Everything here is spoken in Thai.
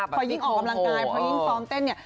พอยิ่งออกกำลังกายพอยิ่งซ้อมเต้นเนี่ย